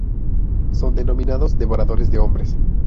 Son denominados devoradores de hombres.